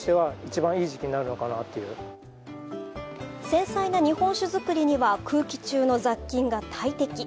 繊細な日本酒造りには空気中の雑菌が大敵。